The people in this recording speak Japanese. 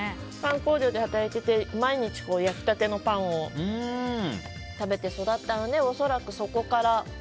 パン工場で働いていて毎日焼きたてのパンを食べて育ったので恐らくそこから。